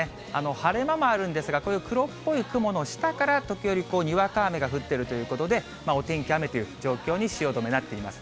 晴れ間もあるんですが、こういう黒っぽい雲の下から時折にわか雨が降っているということで、お天気雨という状況に、汐留、なっています。